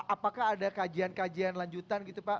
apakah ada kajian kajian lanjutan gitu pak